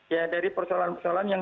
ya dari persoalan persoalan yang